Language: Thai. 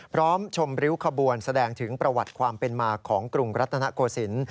ชมริ้วขบวนแสดงถึงประวัติความเป็นมาของกรุงรัตนโกศิลป์